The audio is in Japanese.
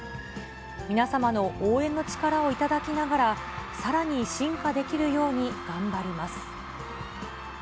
皆様の応援の力をいただきながら、さらに進化できるように頑張ります。